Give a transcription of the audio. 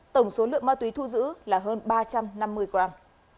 tổng số lượng ma túy thu giữ là hơn ba trăm năm mươi gram